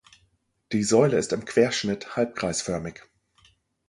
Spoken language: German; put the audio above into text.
Die Säule ist im Querschnitt halbkreisförmig.